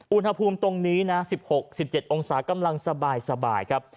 อุณหภูมิตรงนี้นะสิบหกสิบเจ็ดองศากำลังสบายสบายครับ